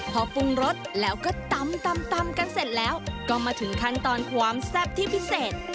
พอปรุงรสแล้วก็ตำกันเสร็จแล้วก็มาถึงขั้นตอนความแซ่บที่พิเศษ